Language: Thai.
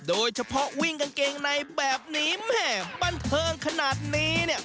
โดยเฉพาะวิ่งกางเกงในแบบนี้แม่บันเทิงขนาดนี้เนี่ย